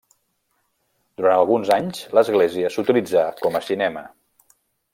Durant alguns anys, l'església s'utilitzà com a cinema.